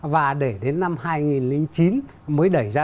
và để đến năm hai nghìn chín mới đẩy ra